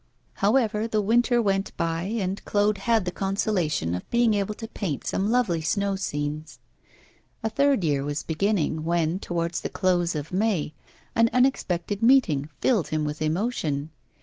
However, the winter went by, and Claude had the consolation of being able to paint some lovely snow scenes. A third year was beginning, when, towards the close of May, an unexpected meeting filled him with emotion.